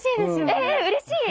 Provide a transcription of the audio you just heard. えうれしい。